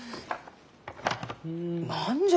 何じゃ？